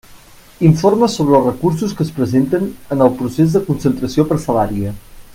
Informa sobre els recursos que es presenten en el procés de concentració parcel·lària.